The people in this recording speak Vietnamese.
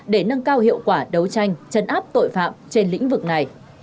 để nâng cao hiệu quả đấu tranh chấn áp tội phạm trên lĩnh vực này